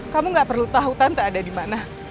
kamu gak perlu tahu tante ada di mana